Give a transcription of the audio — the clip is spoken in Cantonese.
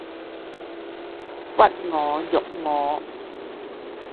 屈我辱我